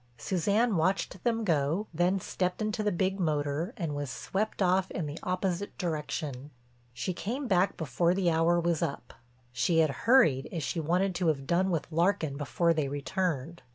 Suzanne watched them go, then stepped into the big motor and was swept off in the opposite direction. She came back before the hour was up. She had hurried as she wanted to have done with Larkin before they returned.